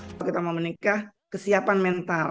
kalau kita mau menikah kesiapan mental